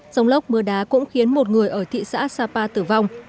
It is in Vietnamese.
rông lốc mưa đá cũng khiến một người ở thị xã sapa tử vong